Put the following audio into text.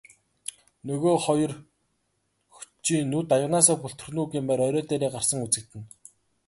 Нөгөө хоёр хөтчийн нүд аяганаасаа бүлтрэх нь үү гэмээр орой дээрээ гарсан үзэгдэнэ.